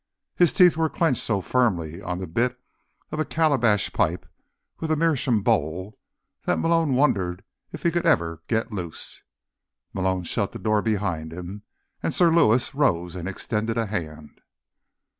His teeth were clenched so firmly on the bit of a calabash pipe with a meerschaum bowl that Malone wondered if he could ever get loose. Malone shut the door behind him, and Sir Lewis rose and extended a hand.